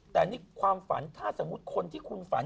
แต่ความฝันถ้าสมมติคุณฝัน